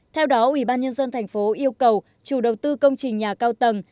theo đó ủy ban nhân dân thành phố yêu cầu chủ đầu tư công trình nhà cao tầng